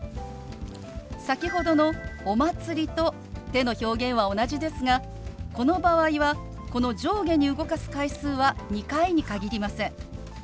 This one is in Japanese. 先ほどの「お祭り」と手の表現は同じですがこの場合はこの上下に動かす回数は２回に限りません。